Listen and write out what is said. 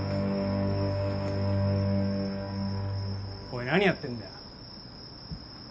おい何やってんだよ！？